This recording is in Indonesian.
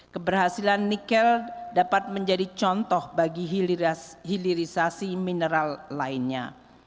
keberhasilan nikel dapat menjadi contoh bagi hilirisasi mineral lainnya